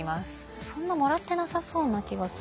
そんなもらってなさそうな気がする。